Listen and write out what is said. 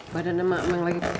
badan emang lagi